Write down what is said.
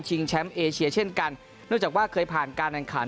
แชมป์เอเชียเช่นกันเนื่องจากว่าเคยผ่านการแข่งขัน